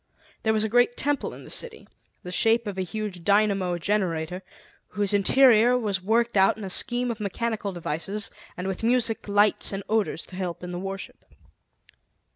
There was a great temple in the city, the shape of a huge dynamo generator, whose interior was worked out in a scheme of mechanical devices, and with music, lights, and odors to help in the worship.